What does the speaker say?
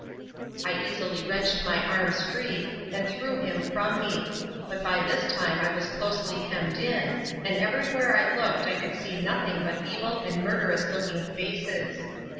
I easily wrenched my arms free, and threw him from me; but by this time I was closely hemmed in, and everywhere I looked I could see nothing but evil and murderous looking faces.